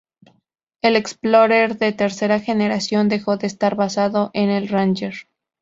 El Explorer de tercera generación dejó de estar basado en la Ranger.